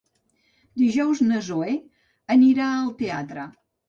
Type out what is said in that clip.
Dijous na Zoè anirà al teatre.